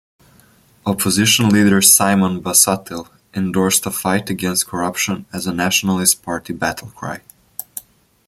Opposition Leader Simon Busuttil endorsed a fight against corruption as a Nationalist Party battlecry.